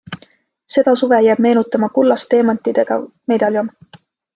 Seda suve jääb meenutama kullast teemantidega medaljon.